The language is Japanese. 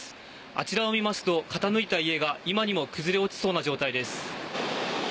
あちらを見ますと傾いた家が今にも崩れ落ちそうな状態です。